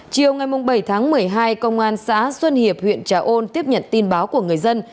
chiều ngày bảy tháng một mươi hai công an xã xuân hiệp huyện trà ôn tiếp nhận tin báo của người dân